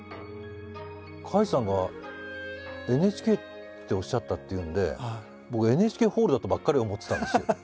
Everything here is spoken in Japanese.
甲斐さんが「ＮＨＫ」っておっしゃったっていうんで僕ＮＨＫホールだとばっかり思ってたんですよ。